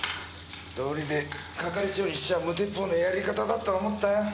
どうりで係長にしちゃ無鉄砲なやり方だと思ったよ。